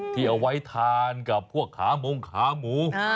ที่เอาไว้ทานกับพวกขามงขาหมู